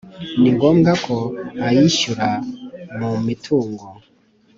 Ni ngombwa ko ayishyura mu mitungo